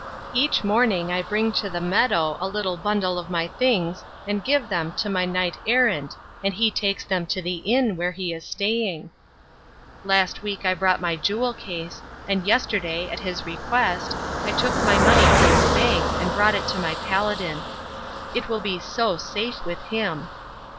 Each morning I bring to the meadow a little bundle of my things and give them to my knight errant and he takes them to the inn where he is staying. Last week I brought my jewel case, and yesterday, at his request, I took my money from the bank and brought it to my paladin. It will be so safe with him.